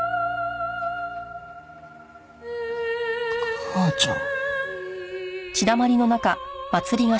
母ちゃん？